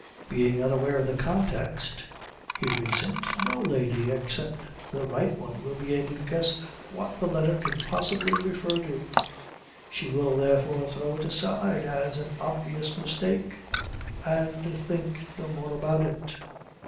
"Being unaware of the context," he reasoned, "no lady except the right one will be able to guess what the letter can possibly refer to. She will therefore throw it aside as an obvious mistake and think no more about it."